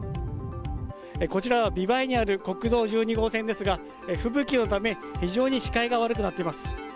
こちらは美唄にある国道１２号線ですが、吹雪のため、非常に視界が悪くなっています。